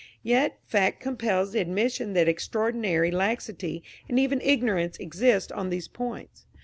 Yet fact compels the admission that extraordinary laxity and even ignorance exist on these points.